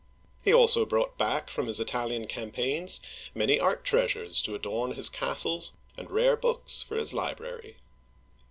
He also brought back from his Italian cam paigns many art treasures to adorn his castles land rare books for his library.